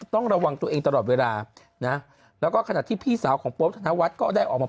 ต้องระวังตัวเองตลอดเวลานะแล้วก็ขณะที่พี่สาวของโป๊ปธนวัฒน์ก็ได้ออกมา